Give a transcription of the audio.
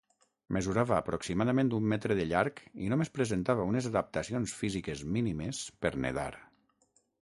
Mesurava aproximadament un metre de llarg i només presentava unes adaptacions físiques mínimes per nedar.